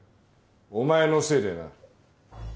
お前のせいでな。